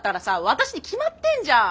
私に決まってんじゃん！